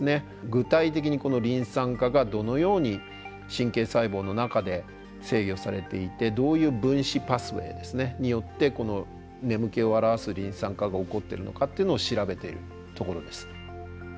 具体的にこのリン酸化がどのように神経細胞の中で制御されていてどういう分子パスウェイですねによってこの眠気を表すリン酸化が起こってるのかっていうのを調べてるところです。